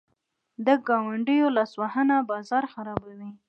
د ګاونډیو لاسوهنه بازار خرابوي.